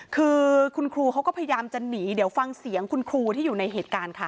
คือคุณครูเขาก็พยายามจะหนีเดี๋ยวฟังเสียงคุณครูที่อยู่ในเหตุการณ์ค่ะ